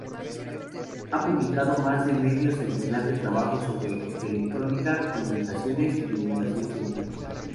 Ha publicado más de medio centenar de trabajos sobre electrónica, comunicaciones y divulgación científica.